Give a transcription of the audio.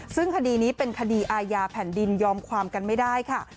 ซึ่งคดีนี้เป็นคดีอาญาแผ่นดินยอมความกันไม่ได้ค่ะ